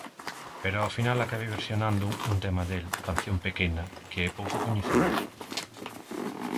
Pero ao final acabei versionando un tema del, "Canción pequena", que é pouco coñecido.